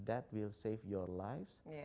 itu akan menyelamatkan hidup anda